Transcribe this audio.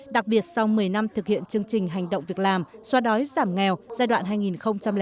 đặc biệt sau một mươi năm thực hiện chương trình hành động việc làm xoa đói giảm nghèo giai đoạn hai nghìn bảy hai nghìn một mươi bảy